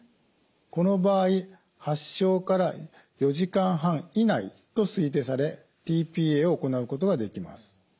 この場合発症から４時間半以内と推定されｔ−ＰＡを行うことができます。